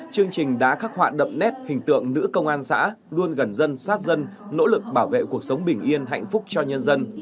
chương trình đã khắc họa đậm nét hình tượng nữ công an xã luôn gần dân sát dân nỗ lực bảo vệ cuộc sống bình yên hạnh phúc cho nhân dân